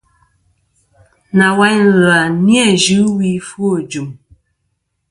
Nawayn ɨ̀lvɨ-a nɨn yɨ wi ɨfwo ɨjɨ̀m.